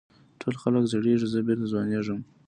ټول خلک زړېږي زه بېرته ځوانېږم.